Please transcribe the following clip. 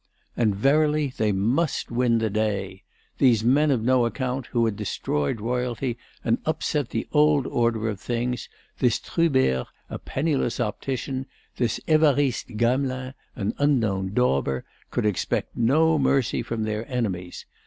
And verily they must win the day. These men of no account, who had destroyed Royalty and upset the old order of things, this Trubert, a penniless optician, this Évariste Gamelin, an unknown dauber, could expect no mercy from their enemies.